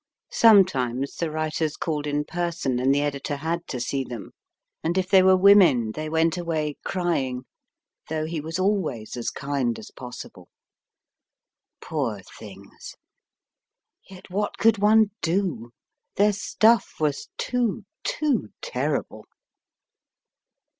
Sometimes the writers called in person, and the editor had to see them, and if they were women, they m ^/rf> MR. BESANT S STUDY went away crying, though he was always as kind as possible. Poor things ! Yet what could one do ? Their stuff was too too terrible.